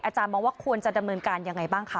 มองว่าควรจะดำเนินการยังไงบ้างคะ